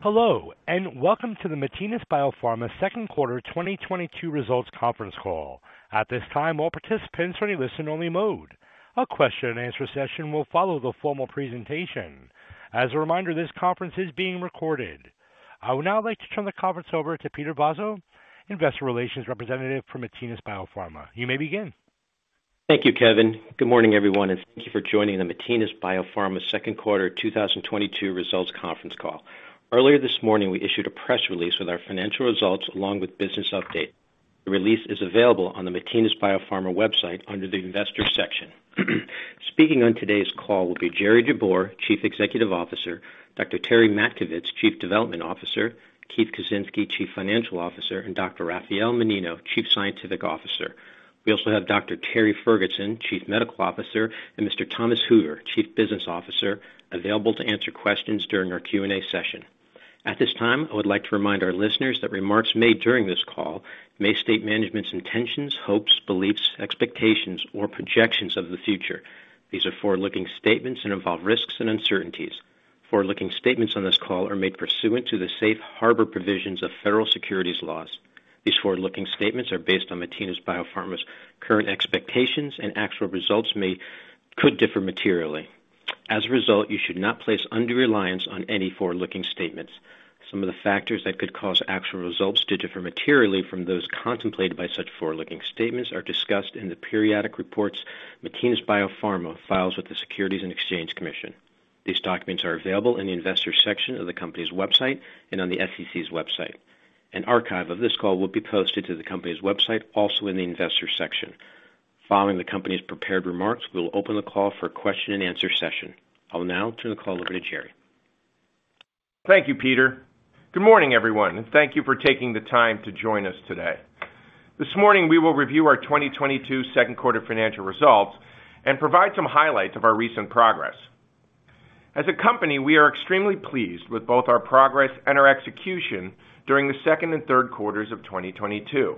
Hello, and welcome to the Matinas BioPharma second quarter 2022 results conference call. At this time, all participants are in listen-only mode. A question and answer session will follow the formal presentation. As a reminder, this conference is being recorded. I would now like to turn the conference over to Peter Vozzo, investor relations representative for Matinas BioPharma. You may begin. Thank you, Kevin. Good morning, everyone, and thank you for joining the Matinas BioPharma second quarter 2022 results conference call. Earlier this morning, we issued a press release with our financial results along with business update. The release is available on the Matinas BioPharma website under the investor section. Speaking on today's call will be Jerry D. Jabbour, Chief Executive Officer, Dr. Terry Matkovits, Chief Development Officer, Keith Kucinski, Chief Financial Officer, and Dr. Raphael Mannino, Chief Scientific Officer. We also have Dr. James Ferguson, Chief Medical Officer, and Mr. Thomas Hoover, Chief Business Officer, available to answer questions during our Q&A session. At this time, I would like to remind our listeners that remarks made during this call may state management's intentions, hopes, beliefs, expectations or projections of the future. These are forward-looking statements and involve risks and uncertainties. Forward-looking statements on this call are made pursuant to the safe harbor provisions of federal securities laws. These forward-looking statements are based on Matinas BioPharma's current expectations and actual results could differ materially. As a result, you should not place undue reliance on any forward-looking statements. Some of the factors that could cause actual results to differ materially from those contemplated by such forward-looking statements are discussed in the periodic reports Matinas BioPharma files with the Securities and Exchange Commission. These documents are available in the Investors section of the company's website and on the SEC's website. An archive of this call will be posted to the company's website also in the Investors section. Following the company's prepared remarks, we will open the call for question and answer session. I'll now turn the call over to Jerry. Thank you, Peter. Good morning, everyone, and thank you for taking the time to join us today. This morning, we will review our 2022 second quarter financial results and provide some highlights of our recent progress. As a company, we are extremely pleased with both our progress and our execution during the second and third quarters of 2022.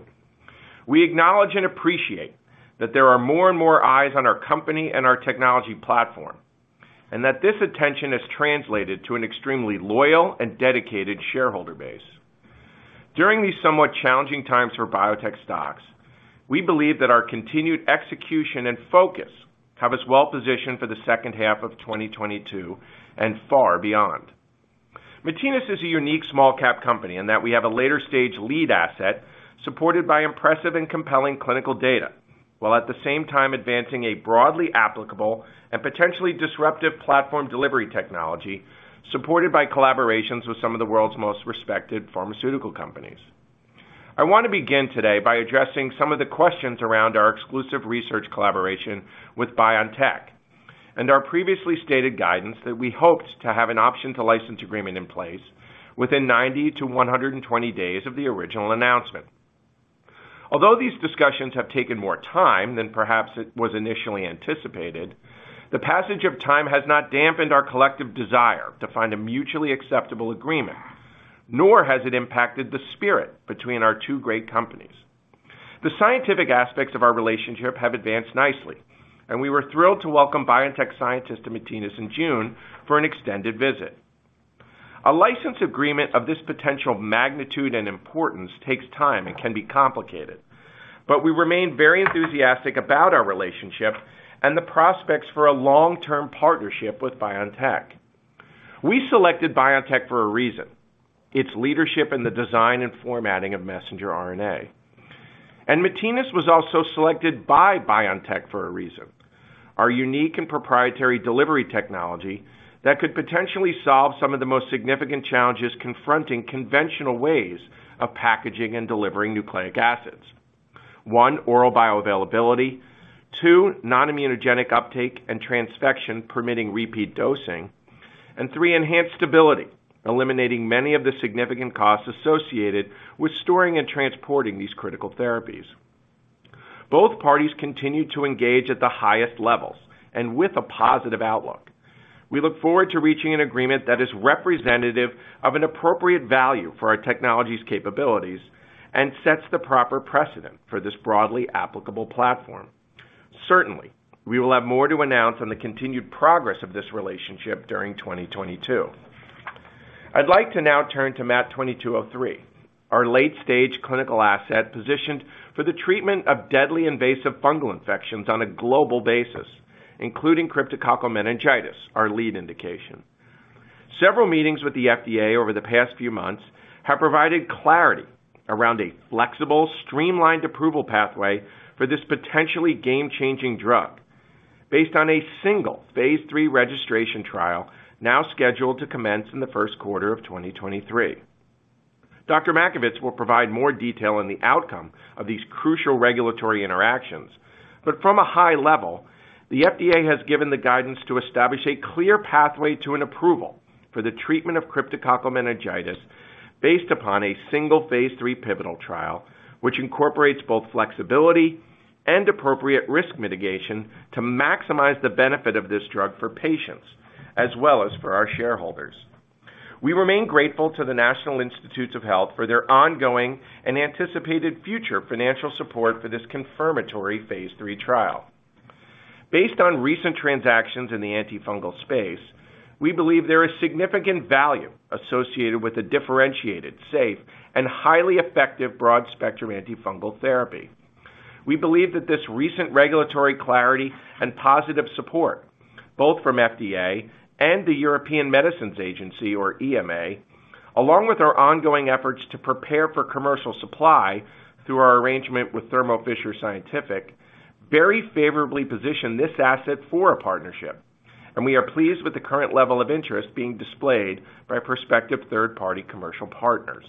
We acknowledge and appreciate that there are more and more eyes on our company and our technology platform, and that this attention has translated to an extremely loyal and dedicated shareholder base. During these somewhat challenging times for biotech stocks, we believe that our continued execution and focus have us well positioned for the second half of 2022 and far beyond. Matinas is a unique small cap company in that we have a later stage lead asset supported by impressive and compelling clinical data, while at the same time advancing a broadly applicable and potentially disruptive platform delivery technology supported by collaborations with some of the world's most respected pharmaceutical companies. I want to begin today by addressing some of the questions around our exclusive research collaboration with BioNTech and our previously stated guidance that we hoped to have an option to license agreement in place within 90-120 days of the original announcement. Although these discussions have taken more time than perhaps it was initially anticipated, the passage of time has not dampened our collective desire to find a mutually acceptable agreement, nor has it impacted the spirit between our two great companies. The scientific aspects of our relationship have advanced nicely, and we were thrilled to welcome BioNTech scientists to Matinas in June for an extended visit. A license agreement of this potential magnitude and importance takes time and can be complicated, but we remain very enthusiastic about our relationship and the prospects for a long-term partnership with BioNTech. We selected BioNTech for a reason, its leadership in the design and formulation of messenger RNA. Matinas was also selected by BioNTech for a reason. Our unique and proprietary delivery technology that could potentially solve some of the most significant challenges confronting conventional ways of packaging and delivering nucleic acids. One, oral bioavailability. Two, non-immunogenic uptake and transfection permitting repeat dosing. Three, enhanced stability, eliminating many of the significant costs associated with storing and transporting these critical therapies. Both parties continue to engage at the highest levels and with a positive outlook. We look forward to reaching an agreement that is representative of an appropriate value for our technology's capabilities and sets the proper precedent for this broadly applicable platform. Certainly, we will have more to announce on the continued progress of this relationship during 2022. I'd like to now turn to MAT 2203, our late stage clinical asset positioned for the treatment of deadly invasive fungal infections on a global basis, including cryptococcal meningitis, our lead indication. Several meetings with the FDA over the past few months have provided clarity around a flexible, streamlined approval pathway for this potentially game-changing drug based on a single phase III registration trial now scheduled to commence in the first quarter of 2023. Dr. Matkovits will provide more detail on the outcome of these crucial regulatory interactions. From a high level, the FDA has given the guidance to establish a clear pathway to an approval for the treatment of Cryptococcal meningitis based upon a single phase III pivotal trial, which incorporates both flexibility and appropriate risk mitigation to maximize the benefit of this drug for patients as well as for our shareholders. We remain grateful to the National Institutes of Health for their ongoing and anticipated future financial support for this confirmatory phase III trial. Based on recent transactions in the antifungal space, we believe there is significant value associated with a differentiated, safe, and highly effective broad-spectrum antifungal therapy. We believe that this recent regulatory clarity and positive support, both from FDA and the European Medicines Agency, or EMA, along with our ongoing efforts to prepare for commercial supply through our arrangement with Thermo Fisher Scientific, very favorably position this asset for a partnership, and we are pleased with the current level of interest being displayed by prospective third-party commercial partners.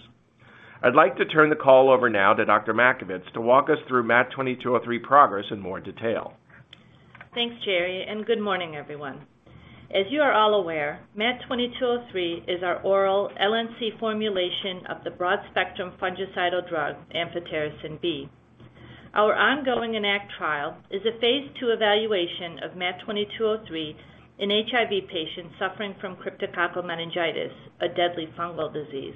I'd like to turn the call over now to Dr. Matkovits to walk us through MAT2203 progress in more detail. Thanks, Jerry, and good morning, everyone. As you are all aware, MAT2203 is our oral LNC formulation of the broad-spectrum fungicidal drug amphotericin B. Our ongoing ENACT trial is a phase II evaluation of MAT2203 in HIV patients suffering from cryptococcal meningitis, a deadly fungal disease.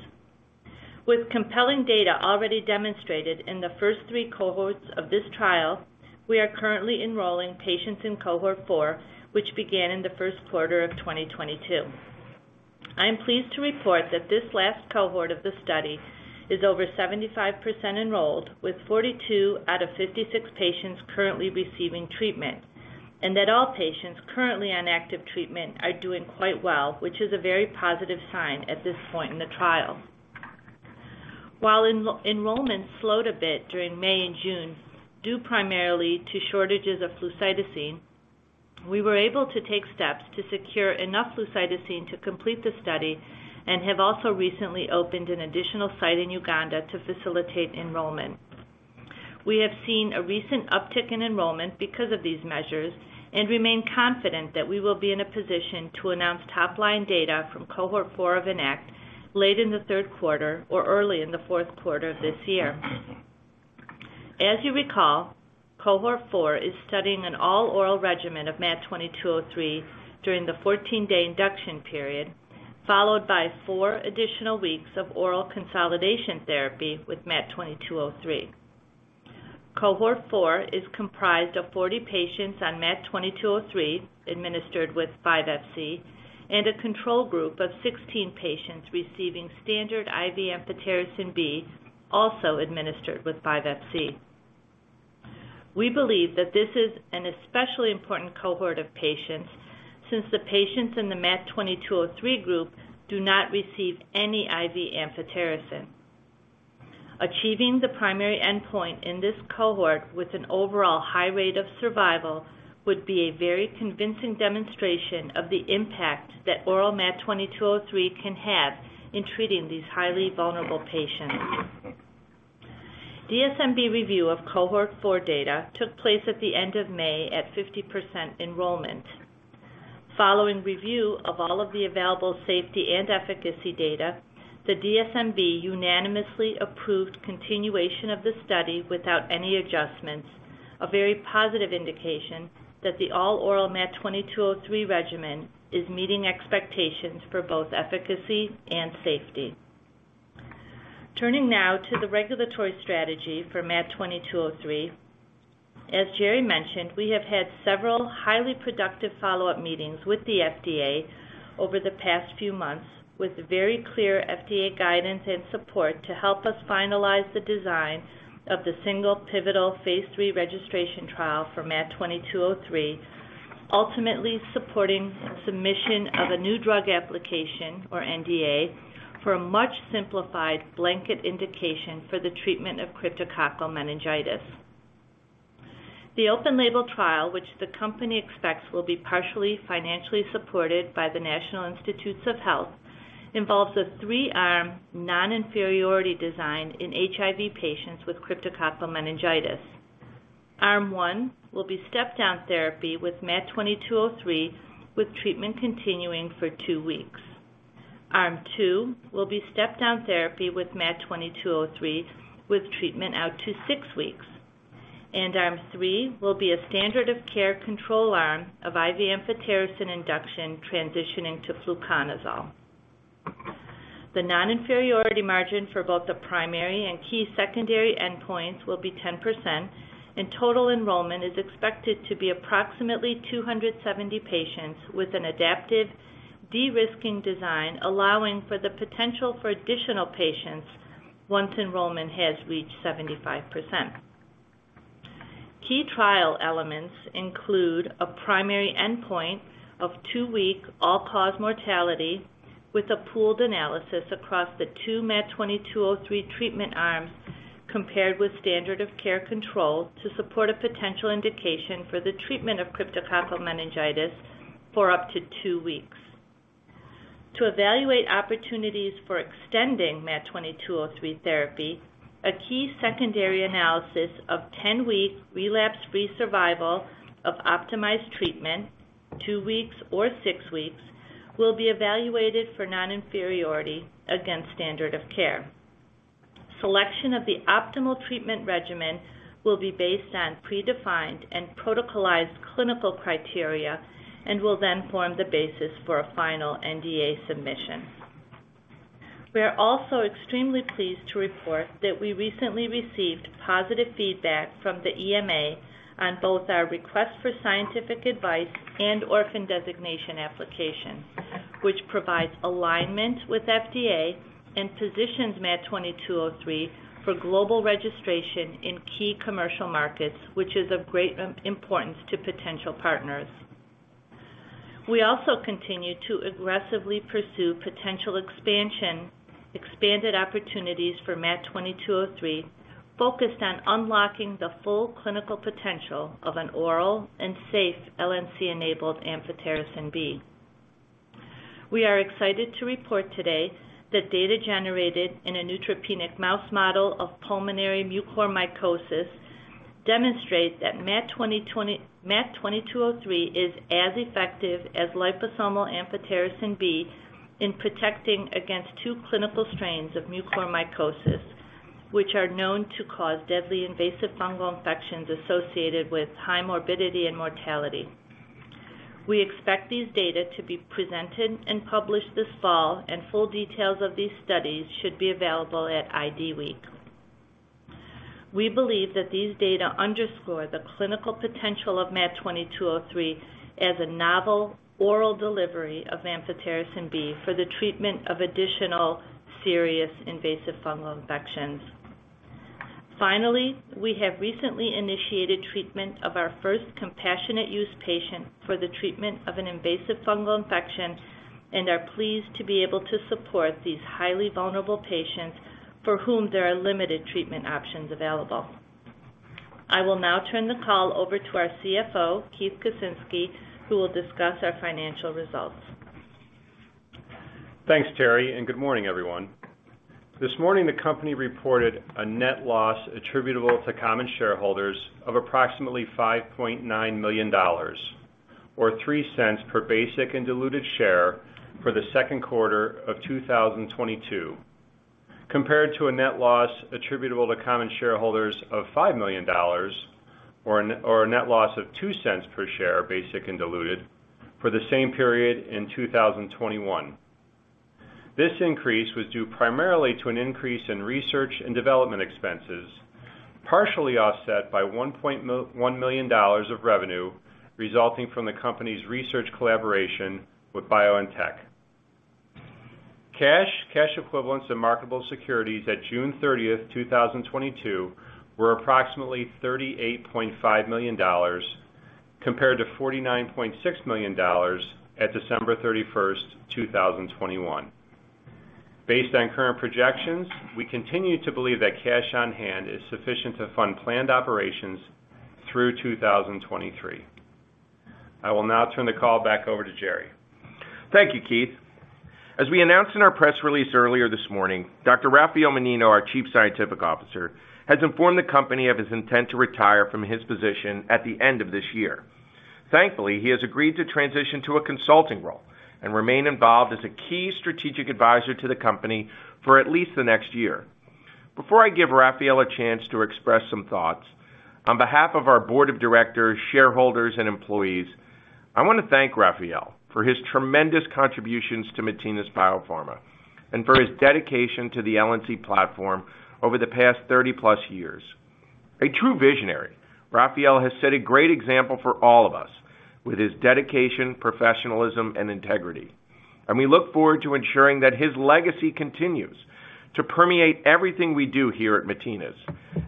With compelling data already demonstrated in the first three cohorts of this trial, we are currently enrolling patients in cohort 4, which began in the first quarter of 2022. I am pleased to report that this last cohort of the study is over 75% enrolled, with 42 out of 56 patients currently receiving treatment, and that all patients currently on active treatment are doing quite well, which is a very positive sign at this point in the trial. While enrollment slowed a bit during May and June, due primarily to shortages of flucytosine, we were able to take steps to secure enough flucytosine to complete the study and have also recently opened an additional site in Uganda to facilitate enrollment. We have seen a recent uptick in enrollment because of these measures and remain confident that we will be in a position to announce top-line data from cohort four of ENACT late in the third quarter or early in the fourth quarter of this year. As you recall, cohort four is studying an all-oral regimen of MAT2203 during the 14-day induction period, followed by four additional weeks of oral consolidation therapy with MAT2203. Cohort four is comprised of 40 patients on MAT2203, administered with 5-FC, and a control group of 16 patients receiving standard IV amphotericin B, also administered with 5-FC. We believe that this is an especially important cohort of patients since the patients in the MAT2203 group do not receive any IV amphotericin. Achieving the primary endpoint in this cohort with an overall high rate of survival would be a very convincing demonstration of the impact that oral MAT2203 can have in treating these highly vulnerable patients. DSMB review of cohort four data took place at the end of May at 50% enrollment. Following review of all of the available safety and efficacy data, the DSMB unanimously approved continuation of the study without any adjustments, a very positive indication that the all-oral MAT2203 regimen is meeting expectations for both efficacy and safety. Turning now to the regulatory strategy for MAT2203, as Jerry mentioned, we have had several highly productive follow-up meetings with the FDA over the past few months with very clear FDA guidance and support to help us finalize the design of the single pivotal phase III registration trial for MAT2203, ultimately supporting submission of a new drug application, or NDA, for a much simplified blanket indication for the treatment of cryptococcal meningitis. The open label trial, which the company expects will be partially financially supported by the National Institutes of Health, involves a three-arm non-inferiority design in HIV patients with cryptococcal meningitis. Arm one will be step-down therapy with MAT2203, with treatment continuing for two weeks. Arm two will be step-down therapy with MAT2203, with treatment out to six weeks. Arm three will be a standard of care control arm of IV amphotericin induction transitioning to fluconazole. The non-inferiority margin for both the primary and key secondary endpoints will be 10%, and total enrollment is expected to be approximately 270 patients with an adaptive de-risking design allowing for the potential for additional patients once enrollment has reached 75%. Key trial elements include a primary endpoint of two-week all-cause mortality with a pooled analysis across the two MAT2203 treatment arms compared with standard of care control to support a potential indication for the treatment of cryptococcal meningitis for up to two weeks. To evaluate opportunities for extending MAT2203 therapy, a key secondary analysis of 10-week relapse-free survival of optimized treatment, two weeks or six weeks, will be evaluated for non-inferiority against standard of care. Selection of the optimal treatment regimen will be based on predefined and protocolized clinical criteria and will then form the basis for a final NDA submission. We are also extremely pleased to report that we recently received positive feedback from the EMA on both our request for scientific advice and orphan designation application, which provides alignment with FDA and positions MAT2203 for global registration in key commercial markets, which is of great importance to potential partners. We also continue to aggressively pursue potential expanded opportunities for MAT2203, focused on unlocking the full clinical potential of an oral and safe LNC-enabled amphotericin B. We are excited to report today that data generated in a neutropenic mouse model of pulmonary mucormycosis demonstrate that MAT2203 is as effective as liposomal amphotericin B in protecting against two clinical strains of mucormycosis, which are known to cause deadly invasive fungal infections associated with high morbidity and mortality. We expect these data to be presented and published this fall, and full details of these studies should be available at IDWeek. We believe that these data underscore the clinical potential of MAT2203 as a novel oral delivery of amphotericin B for the treatment of additional serious invasive fungal infections. Finally, we have recently initiated treatment of our first compassionate use patient for the treatment of an invasive fungal infection, and are pleased to be able to support these highly vulnerable patients for whom there are limited treatment options available. I will now turn the call over to our CFO, Keith Kucinski, who will discuss our financial results. Thanks, Terry, and good morning, everyone. This morning, the company reported a net loss attributable to common shareholders of approximately $5.9 million or $0.03 per basic and diluted share for the second quarter of 2022, compared to a net loss attributable to common shareholders of $5 million or a net loss of $0.02 per share, basic and diluted, for the same period in 2021. This increase was due primarily to an increase in research and development expenses, partially offset by $1 million of revenue resulting from the company's research collaboration with BioNTech. Cash, cash equivalents and marketable securities at June 30, 2022 were approximately $38.5 million compared to $49.6 million at December 31, 2021. Based on current projections, we continue to believe that cash on hand is sufficient to fund planned operations through 2023. I will now turn the call back over to Jerry. Thank you, Keith. As we announced in our press release earlier this morning, Dr. Raphael Mannino, our Chief Scientific Officer, has informed the company of his intent to retire from his position at the end of this year. Thankfully, he has agreed to transition to a consulting role and remain involved as a key strategic advisor to the company for at least the next year. Before I give Rafael a chance to express some thoughts, on behalf of our board of directors, shareholders and employees, I wanna thank Rafael for his tremendous contributions to Matinas BioPharma and for his dedication to the LNC platform over the past 30+ years. A true visionary, Raphael has set a great example for all of us with his dedication, professionalism and integrity, and we look forward to ensuring that his legacy continues to permeate everything we do here at Matinas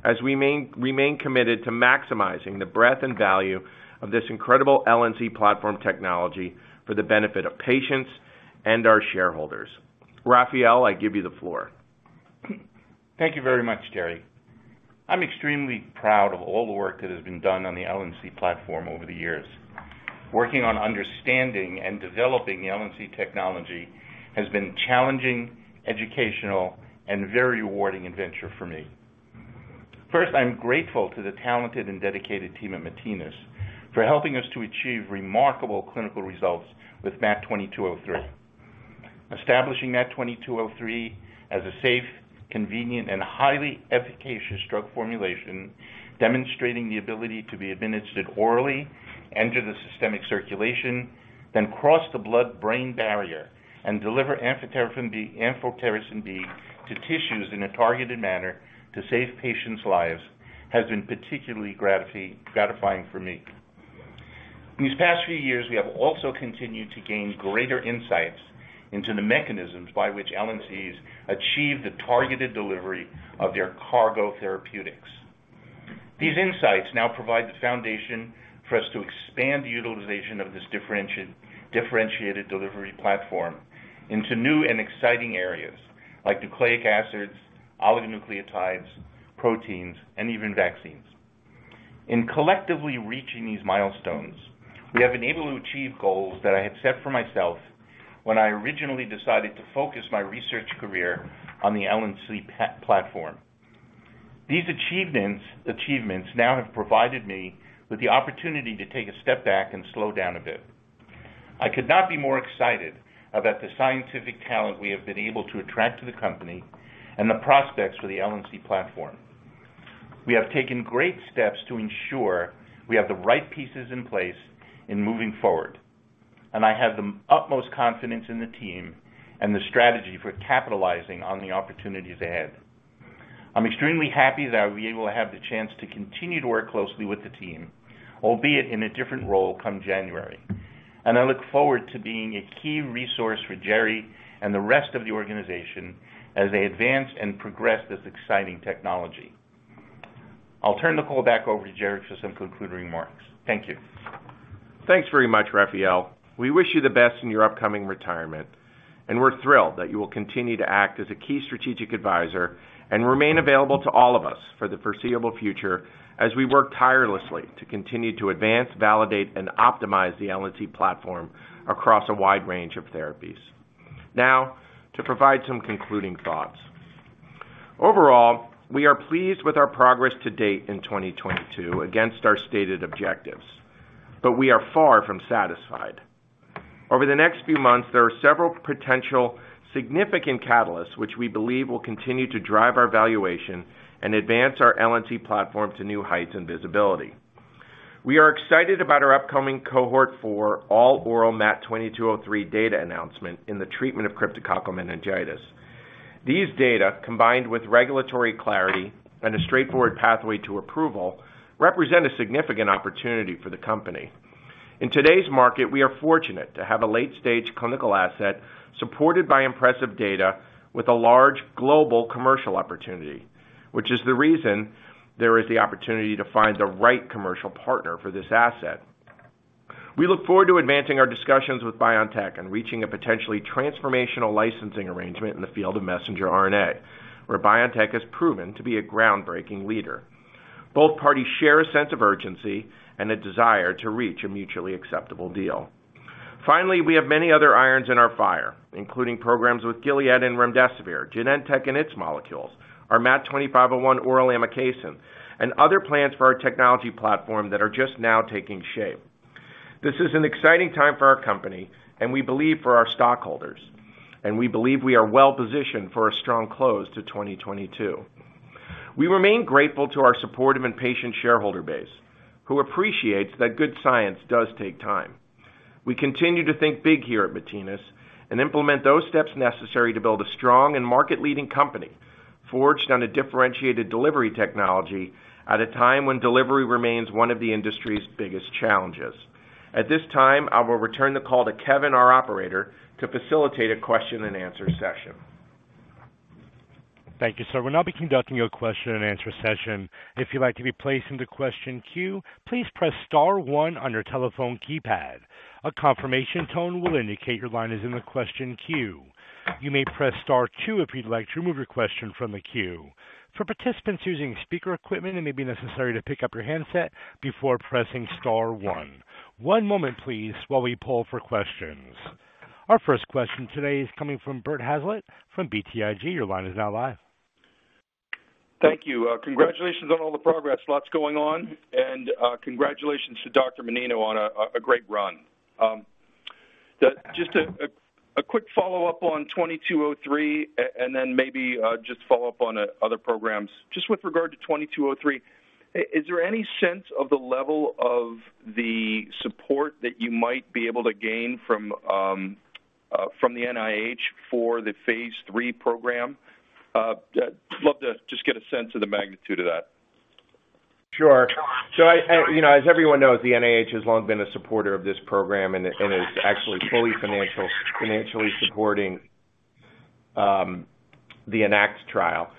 as we remain committed to maximizing the breadth and value of this incredible LNC platform technology for the benefit of patients and our shareholders. Raphael, I give you the floor. Thank you very much, Jerry. I'm extremely proud of all the work that has been done on the LNC platform over the years. Working on understanding and developing the LNC technology has been challenging, educational, and a very rewarding adventure for me. First, I am grateful to the talented and dedicated team at Matinas for helping us to achieve remarkable clinical results with MAT2203. Establishing MAT2203 as a safe, convenient and highly efficacious drug formulation, demonstrating the ability to be administered orally, enter the systemic circulation, then cross the blood-brain barrier and deliver amphotericin B to tissues in a targeted manner to save patients' lives has been particularly gratifying for me. These past few years, we have also continued to gain greater insights into the mechanisms by which LNCs achieve the targeted delivery of their cargo therapeutics. These insights now provide the foundation for us to expand the utilization of this differentiated delivery platform into new and exciting areas like nucleic acids, oligonucleotides, proteins, and even vaccines. In collectively reaching these milestones, we have been able to achieve goals that I had set for myself when I originally decided to focus my research career on the LNC platform. These achievements now have provided me with the opportunity to take a step back and slow down a bit. I could not be more excited about the scientific talent we have been able to attract to the company and the prospects for the LNC platform. We have taken great steps to ensure we have the right pieces in place in moving forward, and I have the utmost confidence in the team and the strategy for capitalizing on the opportunities ahead. I'm extremely happy that I'll be able to have the chance to continue to work closely with the team, albeit in a different role come January. I look forward to being a key resource for Jerry and the rest of the organization as they advance and progress this exciting technology. I'll turn the call back over to Jerry for some concluding remarks. Thank you. Thanks very much, Raphael. We wish you the best in your upcoming retirement, and we're thrilled that you will continue to act as a key strategic advisor and remain available to all of us for the foreseeable future as we work tirelessly to continue to advance, validate, and optimize the LNC platform across a wide range of therapies. Now to provide some concluding thoughts. Overall, we are pleased with our progress to date in 2022 against our stated objectives, but we are far from satisfied. Over the next few months, there are several potential significant catalysts which we believe will continue to drive our valuation and advance our LNC platform to new heights and visibility. We are excited about our upcoming cohort four all oral MAT2203 data announcement in the treatment of cryptococcal meningitis. These data, combined with regulatory clarity and a straightforward pathway to approval, represent a significant opportunity for the company. In today's market, we are fortunate to have a late-stage clinical asset supported by impressive data with a large global commercial opportunity, which is the reason there is the opportunity to find the right commercial partner for this asset. We look forward to advancing our discussions with BioNTech and reaching a potentially transformational licensing arrangement in the field of messenger RNA, where BioNTech has proven to be a groundbreaking leader. Both parties share a sense of urgency and a desire to reach a mutually acceptable deal. Finally, we have many other irons in our fire, including programs with Gilead and remdesivir, Genentech and its molecules, our MAT2501 oral amikacin, and other plans for our technology platform that are just now taking shape. This is an exciting time for our company and we believe for our stockholders, and we believe we are well positioned for a strong close to 2022. We remain grateful to our supportive and patient shareholder base who appreciates that good science does take time. We continue to think big here at Matinas BioPharma and implement those steps necessary to build a strong and market-leading company forged on a differentiated delivery technology at a time when delivery remains one of the industry's biggest challenges. At this time, I will return the call to Kevin, our operator, to facilitate a question and answer session. Thank you, sir. We'll now be conducting a question and answer session. If you'd like to be placed into question queue, please press star one on your telephone keypad. A confirmation tone will indicate your line is in the question queue. You may press star two if you'd like to remove your question from the queue. For participants using speaker equipment, it may be necessary to pick up your handset before pressing star one. One moment, please, while we poll for questions. Our first question today is coming from Bert Hazlett from BTIG. Your line is now live. Thank you. Congratulations on all the progress. Lots going on, and congratulations to Dr. Mannino on a great run. Just a quick follow-up on MAT2203 and then maybe just follow up on other programs. Just with regard to MAT2203, is there any sense of the level of the support that you might be able to gain from the NIH for the phase III program? Love to just get a sense of the magnitude of that. Sure. You know, as everyone knows, the NIH has long been a supporter of this program and is actually fully financial, financially supporting the ENACT trial.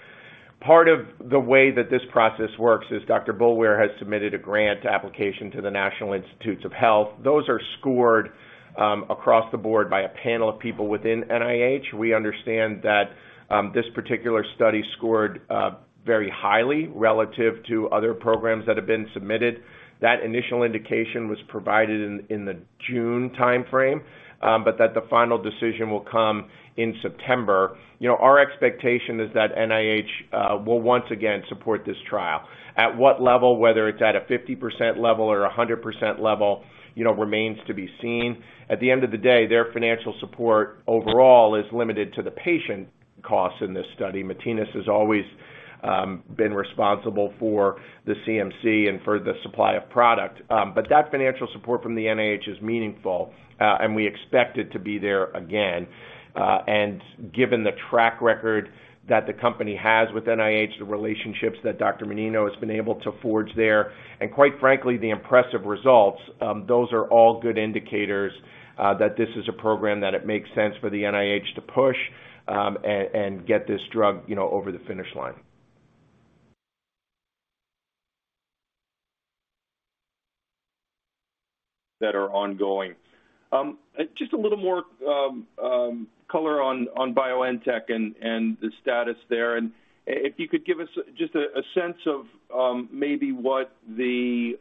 Part of the way that this process works is Dr. Boulware has submitted a grant application to the National Institutes of Health. Those are scored across the board by a panel of people within NIH. We understand that this particular study scored very highly relative to other programs that have been submitted. That initial indication was provided in the June timeframe, but that the final decision will come in September. You know, our expectation is that NIH will once again support this trial. At what level, whether it's at a 50% level or 100% level, you know, remains to be seen. At the end of the day, their financial support overall is limited to the patient costs in this study. Matinas has always been responsible for the CMC and for the supply of product. That financial support from the NIH is meaningful, and we expect it to be there again. Given the track record that the company has with NIH, the relationships that Dr. Mannino has been able to forge there, and quite frankly, the impressive results, those are all good indicators that this is a program that it makes sense for the NIH to push, and get this drug, you know, over the finish line. That are ongoing. Just a little more color on BioNTech and the status there. If you could give us just a sense of maybe what the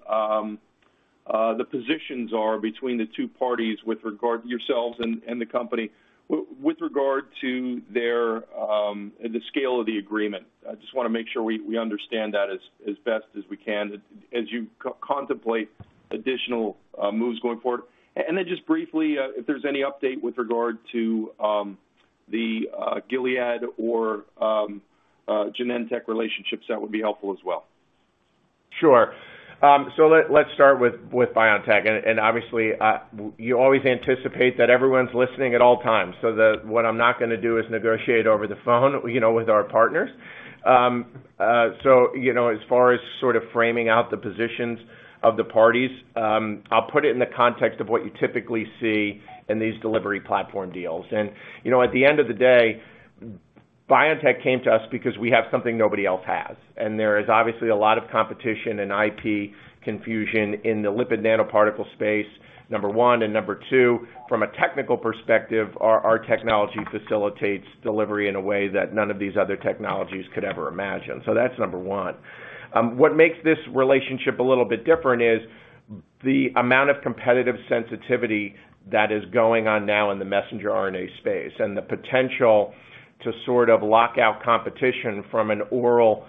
positions are between the two parties with regard to yourselves and the company with regard to the scale of the agreement. I just wanna make sure we understand that as best as we can as you contemplate additional moves going forward. Then just briefly, if there's any update with regard to the Gilead or Genentech relationships, that would be helpful as well. Sure. Let's start with BioNTech. Obviously, you always anticipate that everyone's listening at all times, so what I'm not gonna do is negotiate over the phone, you know, with our partners. You know, as far as sort of framing out the positions of the parties, I'll put it in the context of what you typically see in these delivery platform deals. You know, at the end of the day, BioNTech came to us because we have something nobody else has, and there is obviously a lot of competition and LNP confusion in the lipid nanoparticle space, number one. Number two, from a technical perspective, our technology facilitates delivery in a way that none of these other technologies could ever imagine. That's number one. What makes this relationship a little bit different is the amount of competitive sensitivity that is going on now in the messenger RNA space and the potential to sort of lock out competition from an oral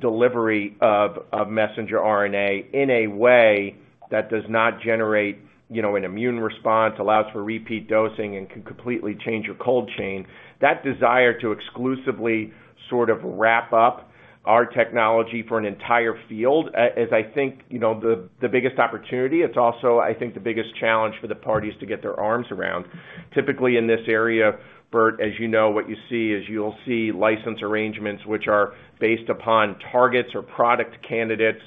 delivery of messenger RNA in a way that does not generate, you know, an immune response, allows for repeat dosing, and can completely change your cold chain. That desire to exclusively sort of wrap up our technology for an entire field is, I think, you know, the biggest opportunity. It's also, I think, the biggest challenge for the parties to get their arms around. Typically in this area, Bert, as you know, what you see is you'll see license arrangements which are based upon targets or product candidates.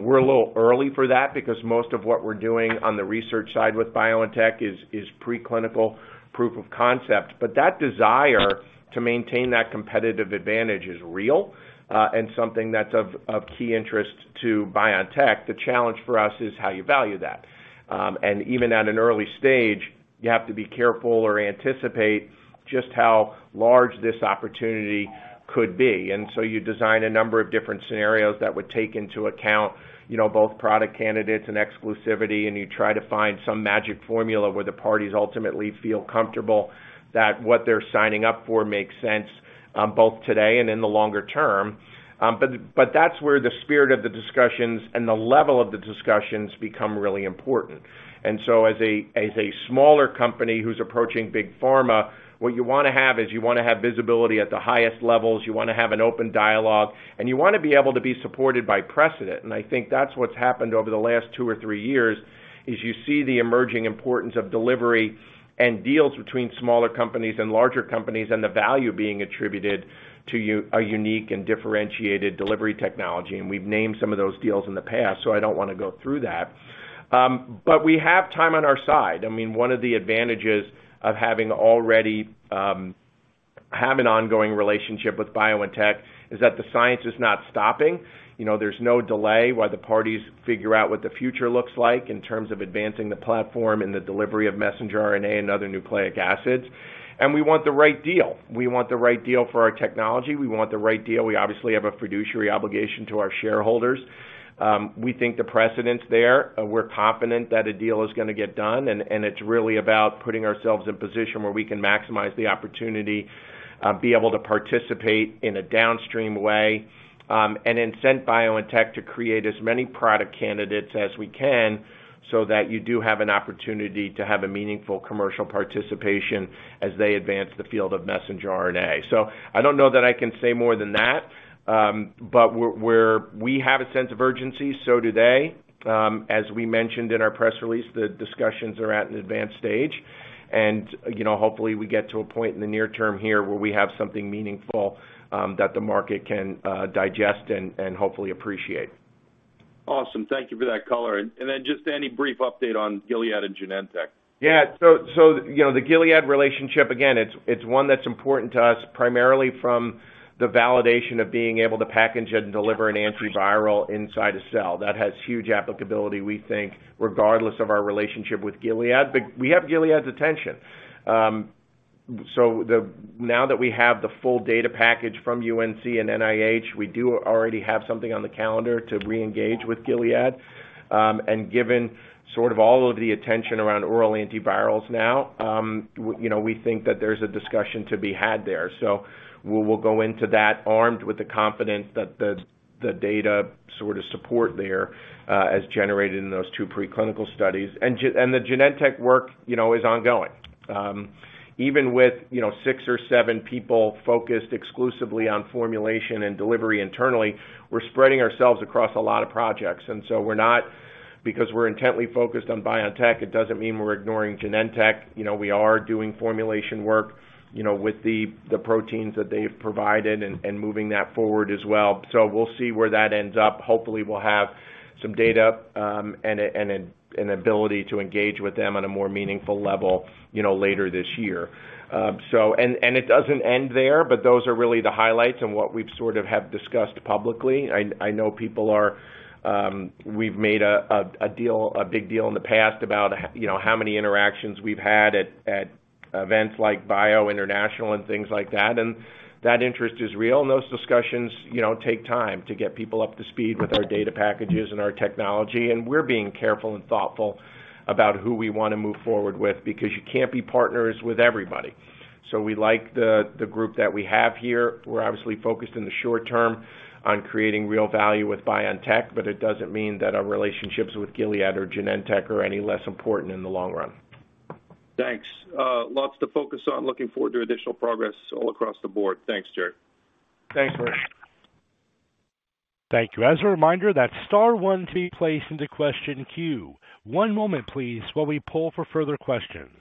We're a little early for that because most of what we're doing on the research side with BioNTech is preclinical proof of concept. That desire to maintain that competitive advantage is real, and something that's of key interest to BioNTech. The challenge for us is how you value that. Even at an early stage, you have to be careful or anticipate just how large this opportunity could be. You design a number of different scenarios that would take into account, you know, both product candidates and exclusivity, and you try to find some magic formula where the parties ultimately feel comfortable that what they're signing up for makes sense, both today and in the longer term. That's where the spirit of the discussions and the level of the discussions become really important. As a smaller company who's approaching big pharma, what you wanna have is you wanna have visibility at the highest levels, you wanna have an open dialogue, and you wanna be able to be supported by precedent. I think that's what's happened over the last two or three years, is you see the emerging importance of delivery and deals between smaller companies and larger companies, and the value being attributed to a unique and differentiated delivery technology. We've named some of those deals in the past, so I don't wanna go through that. But we have time on our side. I mean, one of the advantages of having already have an ongoing relationship with BioNTech is that the science is not stopping. You know, there's no delay while the parties figure out what the future looks like in terms of advancing the platform and the delivery of messenger RNA and other nucleic acids. We want the right deal. We want the right deal for our technology. We want the right deal. We obviously have a fiduciary obligation to our shareholders. We think the precedent's there. We're confident that a deal is gonna get done, and it's really about putting ourselves in position where we can maximize the opportunity, be able to participate in a downstream way, and incent BioNTech to create as many product candidates as we can so that you do have an opportunity to have a meaningful commercial participation as they advance the field of messenger RNA. I don't know that I can say more than that. We have a sense of urgency, so do they. As we mentioned in our press release, the discussions are at an advanced stage and, you know, hopefully we get to a point in the near term here where we have something meaningful, that the market can digest and hopefully appreciate. Awesome. Thank you for that color. Just any brief update on Gilead and Genentech. Yeah, you know, the Gilead relationship, again, it's one that's important to us, primarily from the validation of being able to package and deliver an antiviral inside a cell. That has huge applicability, we think, regardless of our relationship with Gilead. We have Gilead's attention. Now that we have the full data package from UNC and NIH, we do already have something on the calendar to reengage with Gilead. Given sort of all of the attention around oral antivirals now, you know, we think that there's a discussion to be had there. We will go into that armed with the confidence that the data sort of support there, as generated in those two preclinical studies. The Genentech work, you know, is ongoing. Even with, you know, six or seven people focused exclusively on formulation and delivery internally, we're spreading ourselves across a lot of projects. Because we're intently focused on BioNTech, it doesn't mean we're ignoring Genentech. You know, we are doing formulation work, you know, with the proteins that they've provided and moving that forward as well. So we'll see where that ends up. Hopefully, we'll have some data and an ability to engage with them on a more meaningful level, you know, later this year. It doesn't end there, but those are really the highlights on what we've sort of have discussed publicly. I know people are. We've made a big deal in the past about you know, how many interactions we've had at events like BIO International and things like that, and that interest is real, and those discussions you know, take time to get people up to speed with our data packages and our technology. We're being careful and thoughtful about who we wanna move forward with, because you can't be partners with everybody. We like the group that we have here. We're obviously focused in the short term on creating real value with BioNTech, but it doesn't mean that our relationships with Gilead or Genentech are any less important in the long run. Thanks. Lots to focus on. Looking forward to additional progress all across the board. Thanks, Jerry. Thanks, Bert. Thank you. As a reminder, that's star one to be placed into question queue. One moment, please, while we pull for further questions.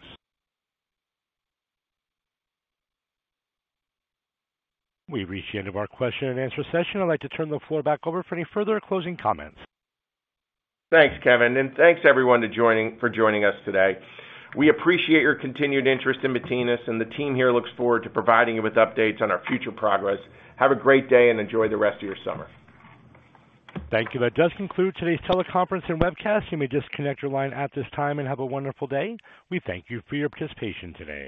We've reached the end of our question and answer session. I'd like to turn the floor back over for any further closing comments. Thanks, Kevin. Thanks, everyone, for joining us today. We appreciate your continued interest in Matinas, and the team here looks forward to providing you with updates on our future progress. Have a great day, and enjoy the rest of your summer. Thank you. That does conclude today's teleconference and webcast. You may disconnect your line at this time, and have a wonderful day. We thank you for your participation today.